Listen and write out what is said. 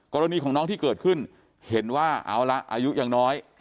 กรณีของน้องที่เกิดขึ้นเห็นว่าเอาละอายุยังน้อย